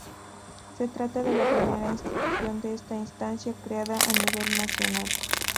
Se trata de la primera institución de esta instancia creada a nivel nacional.